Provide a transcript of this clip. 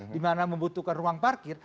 dimana membutuhkan ruang parkir